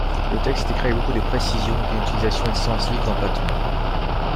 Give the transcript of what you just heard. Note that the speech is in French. Le texte est écrit avec beaucoup de précision, avec une utilisation extensive d’empattements.